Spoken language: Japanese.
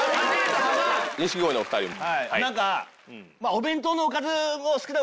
錦鯉のお２人も。